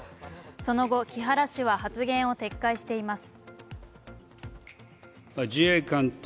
その後、木原氏は発言を撤回しています。